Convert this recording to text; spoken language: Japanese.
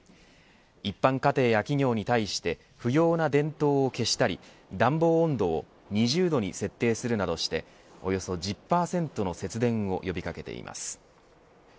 一般家庭や企業に対して不要な電灯を消したり暖房温度を２０度に設定するなどしておよそ１０％の節電を呼び掛けています。